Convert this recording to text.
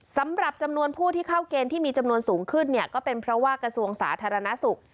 สำหรับจำนวนผู้ที่เข้าเกณฑ์ที่มีจำนวนสูงขึ้นเนี่ยก็เป็นเพราะว่ากระทรวงสาธารณสุข